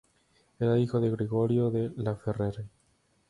Era hijo de Gregorio de Laferrere.